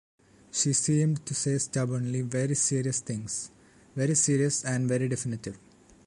She seemed to say stubbornly very serious things, very serious and very definitive.